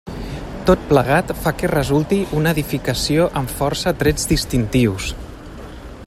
Tot plegat fa que resulti una edificació amb força trets distintius.